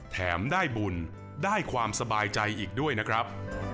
แถมได้บุญได้ความสบายใจอีกด้วยนะครับ